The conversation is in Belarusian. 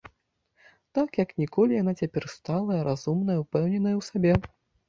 Так, як ніколі, яна цяпер сталая, разумная, упэўненая ў сабе.